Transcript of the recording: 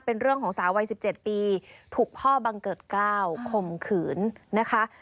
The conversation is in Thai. เป็นเรื่องของสาววัย๑๗ปีถูกพ่อบังเกิดกล้าวข่มขืนนะคะ